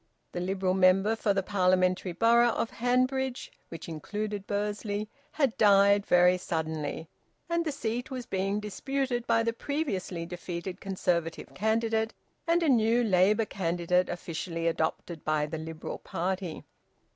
The Liberal member for the Parliamentary borough of Hanbridge, which included Bursley, had died very suddenly, and the seat was being disputed by the previously defeated Conservative candidate and a new Labour candidate officially adopted by the Liberal party.